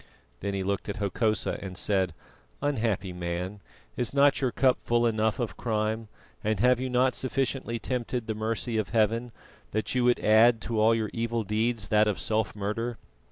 Then he looked at Hokosa and said: "Unhappy man, is not your cup full enough of crime, and have you not sufficiently tempted the mercy of Heaven, that you would add to all your evil deeds that of self murder?"